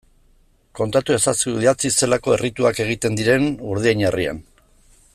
Kontatu ezazu idatziz zelako errituak egiten diren Urdiain herrian.